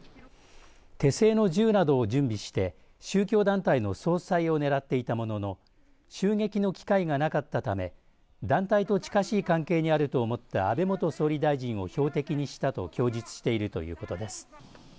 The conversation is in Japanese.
手製の銃などを準備して宗教団体の総裁を狙っていたものの襲撃の機会がなかったため団体と近しい関係にあると思った安倍元総理大臣を標的にしたと供述しているということです。